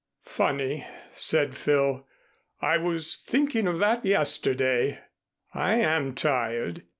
"Funny," said Phil. "I was thinking of that yesterday. I am tired.